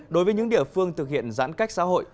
đối với những địa phương thực hiện giãn cách xã hội